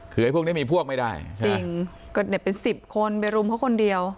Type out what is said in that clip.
คือไอ้พวกนี้มีพวกไม่ได้จริงก็เนี่ยเป็นสิบคนไปรุมเขาคนเดียว